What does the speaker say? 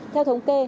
theo thống kê